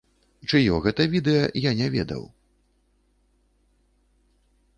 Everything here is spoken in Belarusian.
Чыё гэта відэа, я не ведаў.